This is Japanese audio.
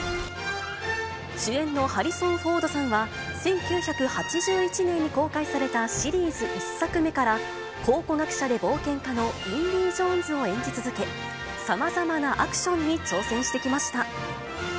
主演のハリソン・フォードさんは、１９８１年に公開されたシリーズ１作目から、考古学者で冒険家のインディ・ジョーンズを演じ続け、さまざまなアクションに挑戦してきました。